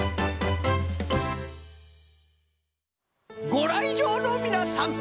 ごらいじょうのみなさん